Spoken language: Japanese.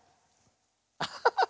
アハハハ！